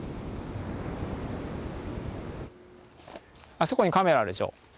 あそこにカメラあるでしょ。